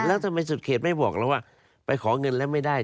แล้วทำไมสุดเขตไม่บอกเราว่าไปขอเงินแล้วไม่ได้